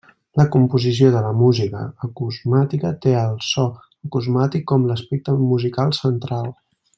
La composició de la música acusmàtica té al so acusmàtic com l'aspecte musical central.